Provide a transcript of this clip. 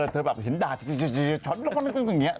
เธอแบบเห็นดาดช็อตอย่างนี้